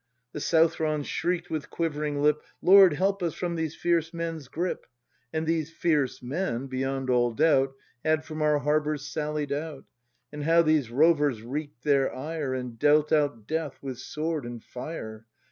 The Southrons shriek'd with quivering lip, "Lord, help us from these fierce men's grip," And these "fierce men," beyond all doubt. Had from our harbours sallied out. And how these rovers wreak'd their ire. And dealt out death with sword and fire!